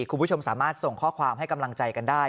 คุณผู้ชมสามารถส่งข้อความให้กำลังใจกันได้